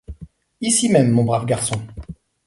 Ici même, mon brave garçon!